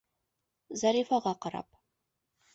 Зарифаға ҡарап: